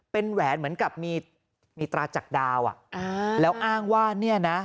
เป็นแหวนเหมือนกับมีมีตราจักรดาวอ่ะอ่าแล้วอ้างว่าเนี่ยนะ